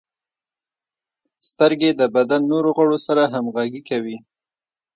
• سترګې د بدن نورو غړو سره همغږي کوي.